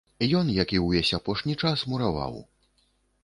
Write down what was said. Ён, як і ўвесь апошні час, мураваў.